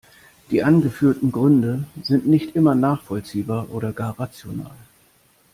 Die angeführten Gründe sind nicht immer nachvollziehbar oder gar rational.